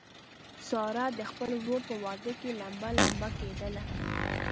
ساره د خپل ورور په واده کې لمبه لمبه کېدله.